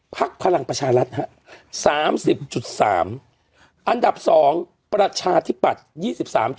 ภักดิ์พลังประชารัฐฮะ๓๐๓อันดับสองประชาธิบัติ๒๓๙